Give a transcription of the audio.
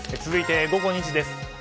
続いて午後２時です。